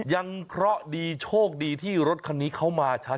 ยังเพราะดีโชคดีที่รถคันนี้เข้ามาช้า